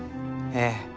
ええ。